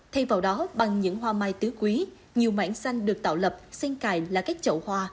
thay vào đó bằng những hoa mai tứ quý nhiều mảng xanh được tạo lập sen cài là các chậu hoa